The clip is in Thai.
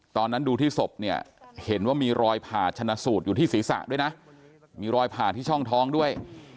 ตอนนั้นดูที่ศพเนี่ยเห็นว่ามีรอยผ่าชนะสูตรอยู่ที่ศีรษะด้วยนะมีรอยผ่าที่ช่องท้องด้วย